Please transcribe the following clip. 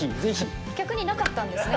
逆になかったんですね